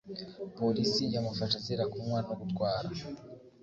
polisi yamufashe azira kunywa no gutwara.